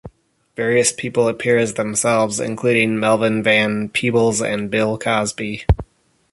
Various people appear as themselves, including Melvin Van Peebles and Bill Cosby.